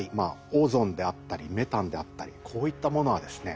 オゾンであったりメタンであったりこういったものはですね